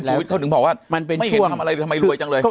คุณผู้ชีวิตเขาถึงบอกว่าไม่เห็นทำอะไรทำไมรวยจังเลย